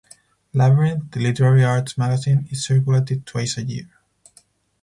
"Labyrinth," the literary arts magazine, is circulated twice a year.